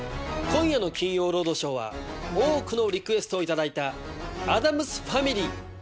今夜の『金曜ロードショー』は多くのリクエストを頂いた『アダムス・ファミリー』。